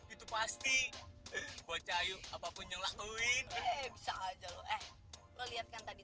itu pasti gue cahayu apapun yang lakuin bisa aja lo eh lo lihat kan tadi